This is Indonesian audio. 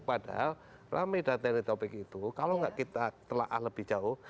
padahal rame dari trending topic itu kalau nggak kita telah lebih jauh